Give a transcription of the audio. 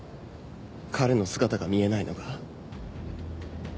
彼の姿が見えないのが。